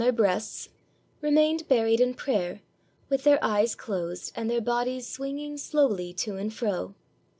THE DANCING DERVISHES breasts, remained buried in prayer, with their eyes closed and their bodies swinging slowly to and fro.